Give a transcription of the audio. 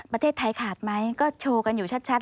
ประเทศไทยขาดไหมก็โชว์กันอยู่ชัด